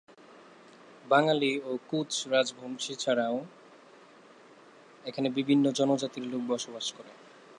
বাঙালী ও কোচ রাজবংশী ছাড়াও এখানে বিভিন্ন জনজাতির লোক বসবাস করে।